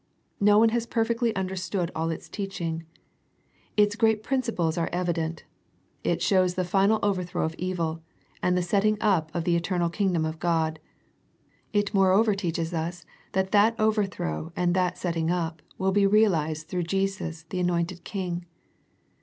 No one has perfectly understood all its teach ing. Its great principles are evident. It shows the final overthrow of evil, and the set ting up of the eternal Kingdom of God. It moreover teaches us that that overthrow and that setting up will be realized through Jesus the anointed King.